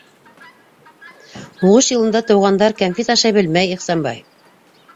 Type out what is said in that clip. Һуғыш йылында тыуғандар кәнфит ашай белмәй, Ихсанбай!